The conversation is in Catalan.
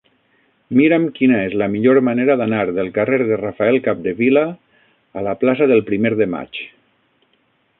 Mira'm quina és la millor manera d'anar del carrer de Rafael Capdevila a la plaça del Primer de Maig.